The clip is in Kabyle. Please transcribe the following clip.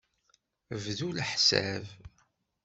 Bdu leḥsab.